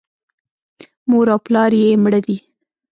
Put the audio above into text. مور او پلار یې مړه دي .